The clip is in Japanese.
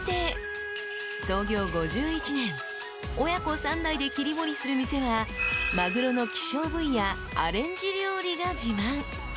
［創業５１年親子三代で切り盛りする店はマグロの希少部位やアレンジ料理が自慢］